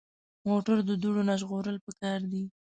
موټر د دوړو نه ژغورل پکار دي.